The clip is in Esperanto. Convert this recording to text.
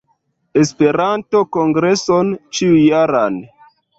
Esperanto-kongreson ĉiujaran